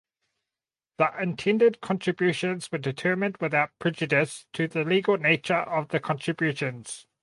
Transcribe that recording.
The intended contributions were determined without prejudice to the legal nature of the contributions.